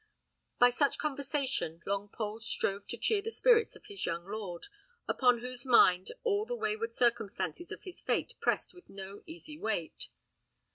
By such conversation Longpole strove to cheer the spirits of his young lord, upon whose mind all the wayward circumstances of his fate pressed with no easy weight.